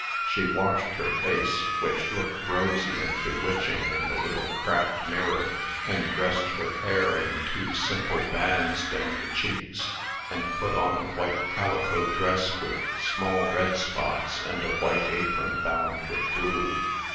She washed her face, which looked rosy and bewitching in the little cracked mirror, and dressed her hair in two simple bands down the cheeks, and put on a white calico dress with small red spots, and a white apron bound with blue.